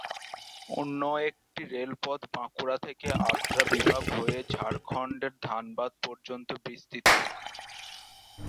অন্য একটি রেলপথ বাঁকুড়া থেকে আদ্রা বিভাগ হয়ে ঝাড়খন্ডের ধানবাদ পর্যন্ত বিস্তৃত।